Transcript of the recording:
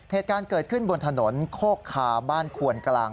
เหตุการณ์เกิดขึ้นบนถนนโคกคาบ้านควนกลาง